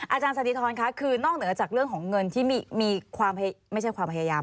อาจารย์สันติธรคะคือนอกเหนือจากเรื่องของเงินที่มีความไม่ใช่ความพยายาม